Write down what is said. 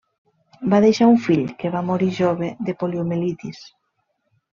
Va deixar un fill que va morir jove de poliomielitis.